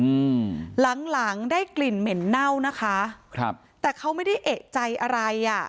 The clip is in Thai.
อืมหลังหลังได้กลิ่นเหม็นเน่านะคะครับแต่เขาไม่ได้เอกใจอะไรอ่ะ